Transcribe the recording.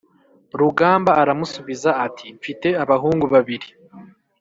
rugamba aramusubiza ati: " mfite abahungu babiri